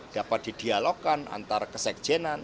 dapat di dialogkan antar kesekjenan